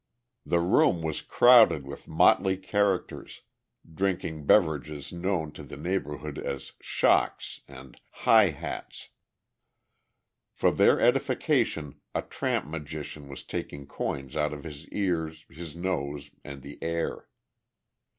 The room was crowded with motley characters, drinking beverages known to the neighborhood as "shocks" and "high hats." For their edification, a tramp magician was taking coins out of his ears, his nose and the air.